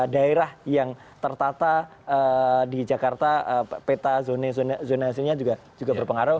daerah yang tertata di jakarta peta zonasinya juga berpengaruh